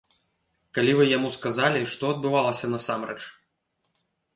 Калі вы яму сказалі, што адбывалася насамрэч?